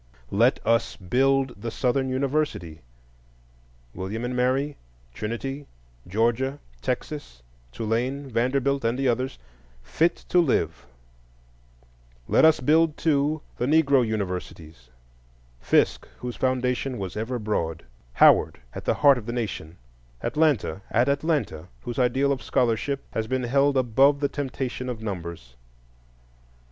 Let us build the Southern university—William and Mary, Trinity, Georgia, Texas, Tulane, Vanderbilt, and the others—fit to live; let us build, too, the Negro universities:—Fisk, whose foundation was ever broad; Howard, at the heart of the Nation; Atlanta at Atlanta, whose ideal of scholarship has been held above the temptation of numbers.